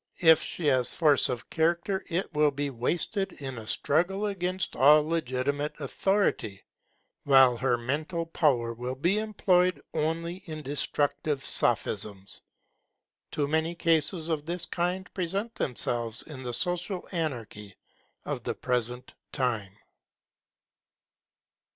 If she has force of character it will be wasted in a struggle against all legitimate authority; while her mental power will be employed only in destructive sophisms. Too many cases of this kind present themselves in the social anarchy of the present time.